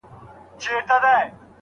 د نيمې ورځې لمر دی اوس به يې زوال وهي